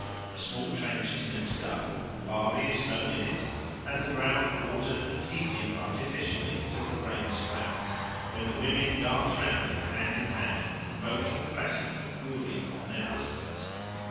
A small trench is next dug, barley is sown in it, and the ground watered and heated artificially till the grain sprouts, when the women dance round it hand in hand, invoking the blessing of Gouri on their husbands.